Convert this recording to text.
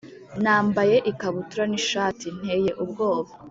nambaye, ikabutura n’ishati, nteye ubwoba